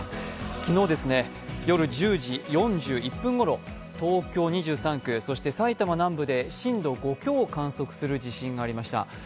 昨日、夜１０時４１分ごろ、東京２３区、埼玉南部で震度５強を観測する地震がありました。